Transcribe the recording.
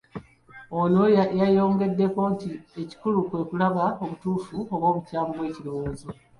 Ono yayongeddeko nti ekikulu kwe kulaba obutuufu oba obukyamu bw'ekirowoozo.